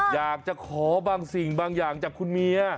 อยากจะขอบางสิ่งบางอย่างจากคุณเมีย